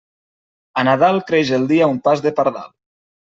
A Nadal creix el dia un pas de pardal.